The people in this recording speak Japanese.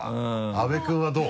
阿部君はどう？